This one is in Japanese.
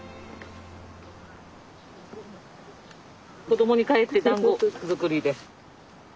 子供にかえってだんご作りです。